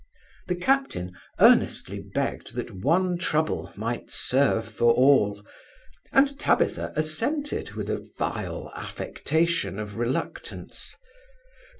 The Captain earnestly begged that one trouble might serve for all, and Tabitha assented with a vile affectation of reluctance.